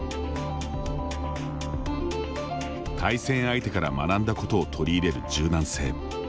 対戦相手から学んだことを取り入れる柔軟性。